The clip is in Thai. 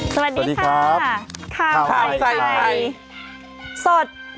สวัสดีค่ะข้าวใส่ไข่สด